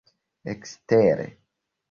ekstere